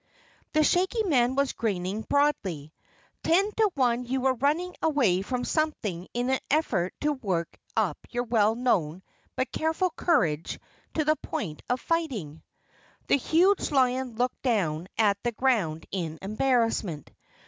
The Shaggy Man was grinning broadly. "Ten to one you were running away from something in an effort to work up your well known, but careful courage to the point of fighting." The huge lion looked down at the ground in embarrassment.